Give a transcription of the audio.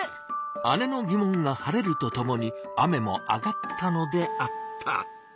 姉のぎ問が晴れるとともに雨もあがったのであった。